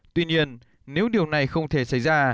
tuy nhiên nếu điều này không được